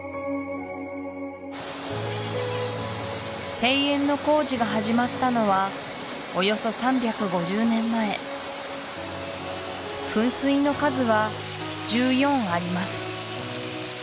庭園の工事が始まったのはおよそ３５０年前噴水の数は１４あります